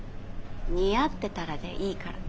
似合ってたらでいいから。